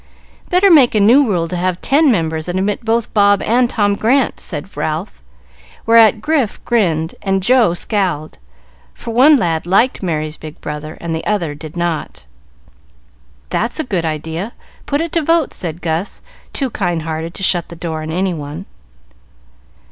"Better make a new rule to have ten members, and admit both Bob and Tom Grant," said Ralph, whereat Grif grinned and Joe scowled, for one lad liked Merry's big brother and the other did not. "That's a good idea! Put it to vote," said Gus, too kind hearted to shut the door on any one.